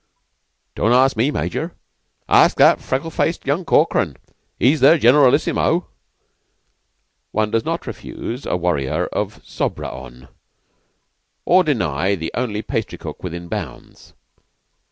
"Don't ask me, Major! Ask that freckle faced young Corkran. He's their generalissimo." One does not refuse a warrior of Sobraon, or deny the only pastry cook within bounds.